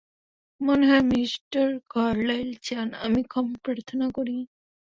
মনে হয়, Mister Carlyle চান আমি ক্ষমা প্রার্থনা করি।